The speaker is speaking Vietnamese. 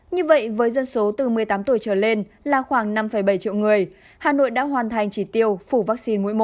như vậy với dân số từ một mươi tám tuổi trở lên là khoảng năm bảy triệu người hà nội đã hoàn thành chỉ tiêu phủ vaccine mỗi một